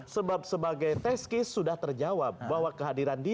sebab sebagai teskis sudah terjawab bahwa kehadiran dia